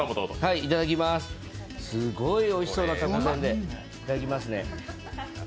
すごいおいしそうなたこせん、いただきますね。